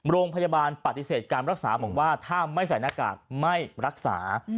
โรงพยาบาลปฏิเสธการรักษาบอกว่าถ้าไม่ใส่หน้ากากไม่รักษา